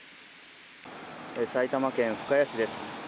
埼玉県深谷市です。